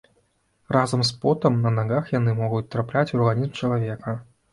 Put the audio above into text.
Разам з потам на нагах яны могуць трапляць у арганізм чалавека.